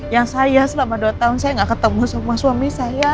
yang saya selama dua tahun saya nggak ketemu sama suami saya